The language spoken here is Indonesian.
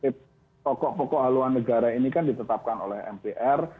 pokok pokok haluan negara ini kan ditetapkan oleh mpr